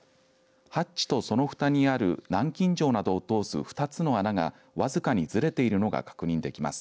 ハッチと、そのふたにある南京錠などを通す２つの穴が僅かにずれているのが確認できます。